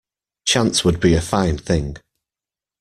Chance would be a fine thing!